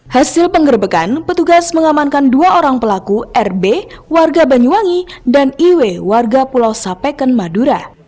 hasil penggerbekan petugas mengamankan dua orang pelaku rb warga banyuwangi dan iw warga pulau sapeken madura